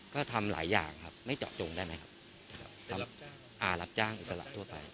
ก็ทำหลายอย่างครับไม่เจาะจงได้ไหมครับสำหรับอ่ารับจ้างอิสระทั่วไป